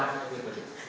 tapi ini hebat